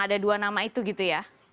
ada dua nama itu gitu ya